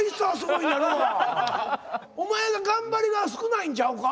お前が頑張りが少ないんちゃうか？